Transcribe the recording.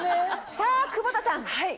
さぁ久保田さん。